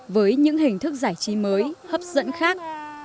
với những hình thức giải trí mới hấp dẫn khác